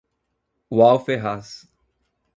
Wall Ferraz